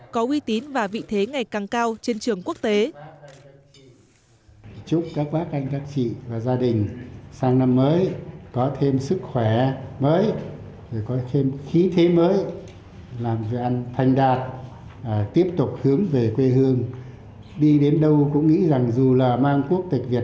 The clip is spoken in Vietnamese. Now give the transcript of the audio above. có uy tín và vị thế ngày càng cao trên trường quốc tế